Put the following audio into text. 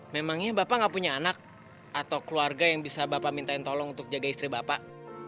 memangnya bapak nggak punya anak atau keluarga yang bisa bapak mintain tolong untuk jaga istri bapak